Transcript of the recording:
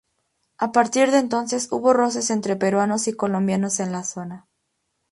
A partir de entonces, hubo roces entre peruanos y colombianos en la zona.